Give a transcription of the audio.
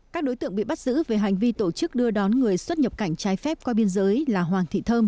các đối tượng bị bắt giữ về hành vi tổ chức đưa đón người xuất nhập cảnh trái phép qua biên giới là hoàng thị thơm